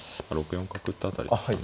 ６四角打った辺りですか。